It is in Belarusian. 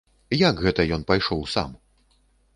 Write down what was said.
Як гэта ён пайшоў сам?